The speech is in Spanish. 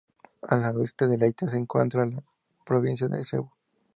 Al oeste de Leite se encuentra la provincia de Cebú.